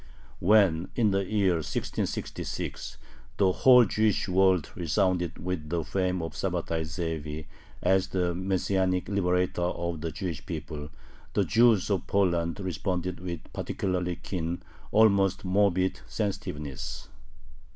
When, in the year 1666, the whole Jewish world resounded with the fame of Sabbatai Zevi as the Messianic liberator of the Jewish people, the Jews of Poland responded with particularly keen, almost morbid sensitiveness.